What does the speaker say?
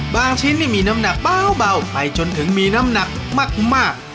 ชิ้นนี่มีน้ำหนักเบาไปจนถึงมีน้ำหนักมาก